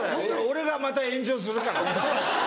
俺がまた炎上するから。